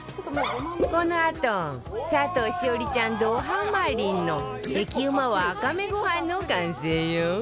このあと佐藤栞里ちゃんどハマリの激うまワカメご飯の完成よ